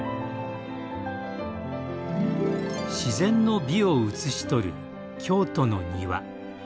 自然の美を映しとる京都の庭。